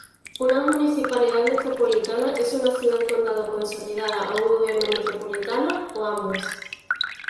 Una municipalidad metropolitana es una ciudad-condado consolidada o un gobierno metropolitano, o ambos.